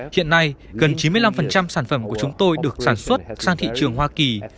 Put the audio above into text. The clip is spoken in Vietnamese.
hiện nay gần chín mươi năm sản phẩm của chúng tôi được sản xuất sang thị trường hoa kỳ